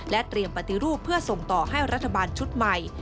เตรียมปฏิรูปเพื่อส่งต่อให้รัฐบาลชุดใหม่